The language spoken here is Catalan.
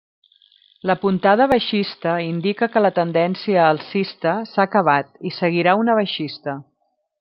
La puntada baixista indica que la tendència alcista s'ha acabat i seguirà una baixista.